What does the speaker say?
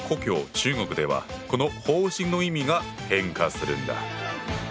中国ではこの「放心」の意味が変化するんだ。